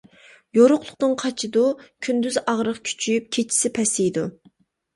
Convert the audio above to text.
يورۇقلۇقتىن قاچىدۇ، كۈندۈزى ئاغرىق كۈچىيىپ، كېچىسى پەسىيىدۇ.